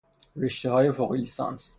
رشتههای فوق لیسانس